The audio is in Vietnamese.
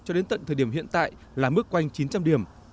cho đến tận thời điểm hiện tại là mức quanh chín trăm linh điểm